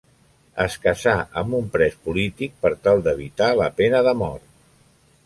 Es casà amb un pres polític, per tal d'evitar la pena de mort.